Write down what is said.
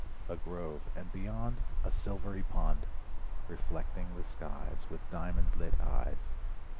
A grove, and beyond, A silvery pond, Reflecting the skies With diamond lit eyes.